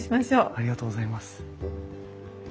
ありがとうございます。